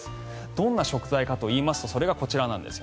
どんな食材かといいますとそれがこちらなんです。